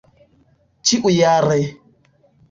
ĉiujare